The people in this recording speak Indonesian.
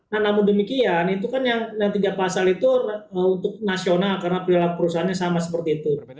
nah namun demikian itu kan yang tiga pasal itu untuk nasional karena perilaku perusahaannya sama seperti itu